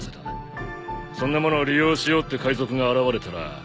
そんなものを利用しようって海賊が現れたら事じゃねえか。